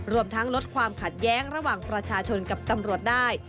รวมทั้งลดความขัดแย้งระหว่างประชาชนกับตำรวจได้